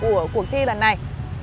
của cuộc thi lần này